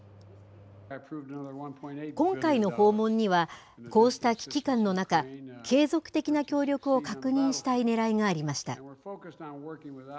今回の訪問には、こうした危機感の中、継続的な協力を確認したいねらいがありました。